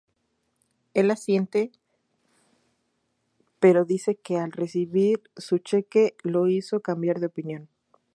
Él asiente, pero dice que el recibir su cheque lo hizo cambiar de opinión.